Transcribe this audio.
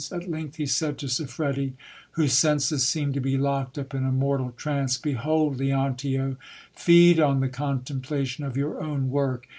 At length he said to Siffredi, whose senses seemed to be locked up in a mortal trance : Behold, Leontio ; feed on the contemplation of your own work.